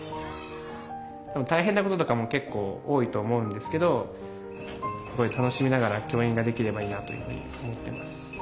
大変なこととかも結構多いと思うんですけど楽しみながら教員ができればいいなというふうに思ってます。